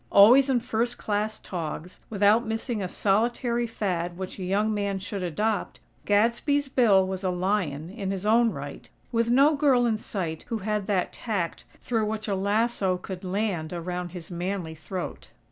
Always in first class togs, without missing a solitary fad which a young man should adopt, Gadsby's Bill was a lion, in his own right, with no girl in sight who had that tact through which a lasso could land around his manly throat.